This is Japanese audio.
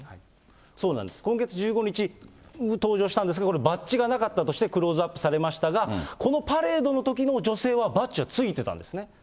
そうなんです、今月１５日に登場したんですけど、バッジがなかったとして、クローズアップされましたが、このパレードのときの女性はバッジはついてたんですね。